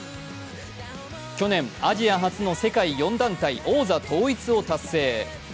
去年、アジア初の世界４団体王座統一を達成。